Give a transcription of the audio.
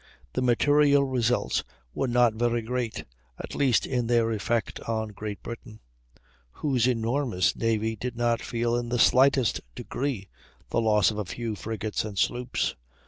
The material results were not very great, at least in their effect on Great Britain, whose enormous navy did not feel in the slightest degree the loss of a few frigates and sloops.